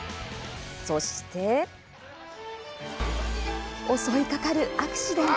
そして襲いかかるアクシデント。